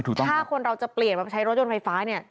ถ้าคนเราจะเปลี่ยนมาใช้รถยนต์ไฟฟ้าเนี่ย